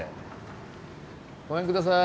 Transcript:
ごめんください。